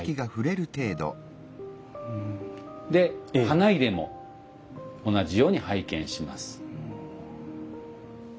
で花入も同じように拝見します。